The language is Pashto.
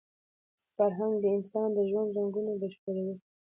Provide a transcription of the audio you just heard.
فرهنګ د انسان د ژوند رنګونه بشپړوي.